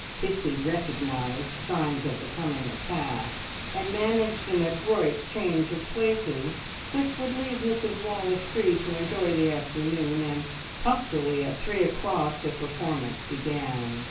Pixie recognised signs of the coming attack, and managed an adroit change of places which would leave Mrs Wallace free to enjoy the afternoon, and punctually at three o'clock the performance began.